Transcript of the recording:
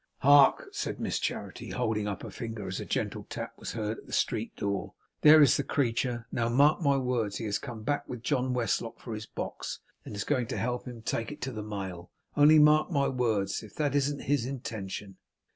'Hark!' said Miss Charity, holding up her finger, as a gentle rap was heard at the street door. 'There is the creature! Now mark my words, he has come back with John Westlock for his box, and is going to help him to take it to the mail. Only mark my words, if that isn't his intention!